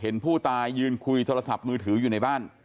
เห็นผู้ตายยืนคุยโทรศัพท์มือถืออยู่ในบ้าน